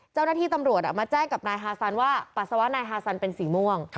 เจ้าหน้าที่ตำรวจมาแจ้งกับนายฮาซันว่าปัสสาวะนายฮาซันเป็นสีม่วง